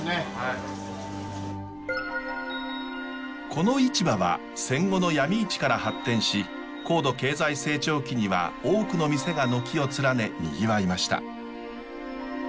この市場は戦後の闇市から発展し高度経済成長期には多くの店が軒を連ねにぎわいました。